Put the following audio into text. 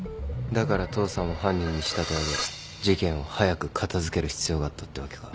だから父さんを犯人に仕立て上げ事件を早く片付ける必要があったってわけか。